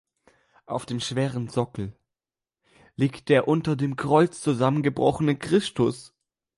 Auf dem schweren Sockel liegt der unter dem Kreuz zusammengebrochene Christus.